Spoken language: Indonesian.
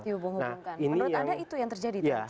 menurut anda itu yang terjadi